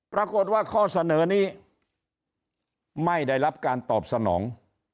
ปรากฏว่าข้อเสนอนี้ไม่ได้รับการตอบสนอง